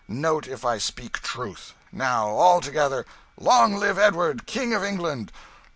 Note if I speak truth. Now all together: 'Long live Edward, King of England!